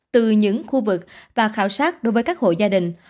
từ những khu vực và khảo sát đối với các hộ gia đình